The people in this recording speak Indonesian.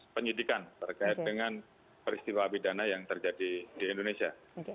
penyidikan terkait dengan peristiwa pidana yang terjadi di indonesia